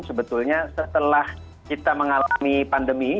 sebetulnya setelah kita mengalami pandemi